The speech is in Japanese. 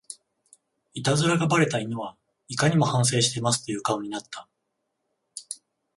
イタズラがバレた犬はいかにも反省してますという顔になった